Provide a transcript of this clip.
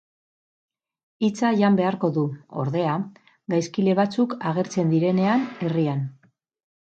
Hitza jan beharko du, ordea, gaizkile batzuk agertzen direnean herrian.